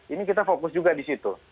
ini kita fokus juga di situ